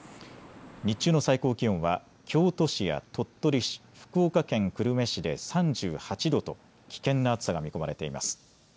日中の最高気温は京都市や鳥取市、福岡県久留米市で３８度と危険な暑さが見込まれています。